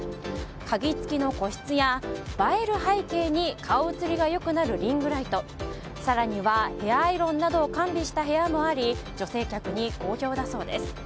鍵付きの個室や映える背景に顔映りが良くなるリングライト更にはヘアアイロンなどを完備した部屋もあり女性客に好評だそうです。